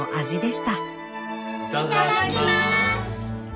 いただきます！